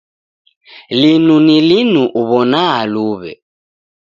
Linu ni linu uw'ona luw'e.